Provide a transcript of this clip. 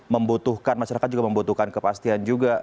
membutuhkan masyarakat juga membutuhkan kepastian juga